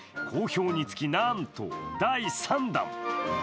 好評につき、なんと第３弾。